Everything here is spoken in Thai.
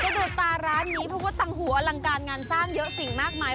ดูตาร้านนี้เพราะว่าตังหัวอลังการงานสร้างเยอะสิ่งมากมาย